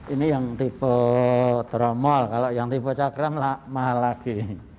ini yang tipe tromol kalau yang tipe cakram mahal lagi